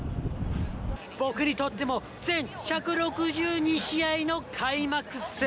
僕にとっても全１６２試合の開幕戦。